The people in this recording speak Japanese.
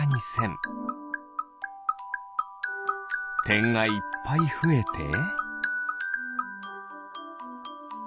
てんがいっぱいふえて。